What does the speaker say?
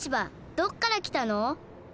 どっからきたの？